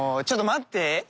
ちょっと待って！